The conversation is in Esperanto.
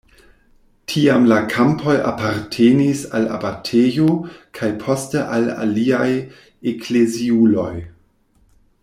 Tiam la kampoj apartenis al abatejo kaj poste al aliaj ekleziuloj.